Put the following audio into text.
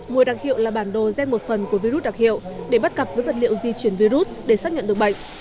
mùi đặc hiệu là bản đồ gen một phần của virus đặc hiệu để bắt cặp với vật liệu di chuyển virus để xác nhận được bệnh